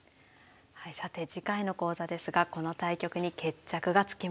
はいさて次回の講座ですがこの対局に決着がつきます。